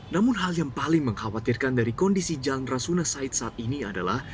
namun hal yang paling mengkhawatirkan dari kondisi jalan rasuna said saat ini adalah